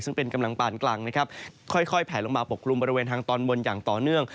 ซึ่งเป็นกำลังปานกลางนะครับค่อยแผลลงมาปกกลุ่มบริเวณทางตอนบนอย่างต่อเนื่อง